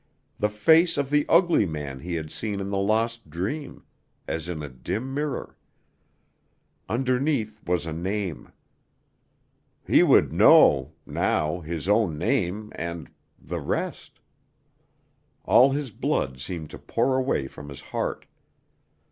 the face of the ugly man he had seen in the lost dream, as in a dim mirror. Underneath was a name. He would know, now his own name, and the rest. All his blood seemed to pour away from his heart.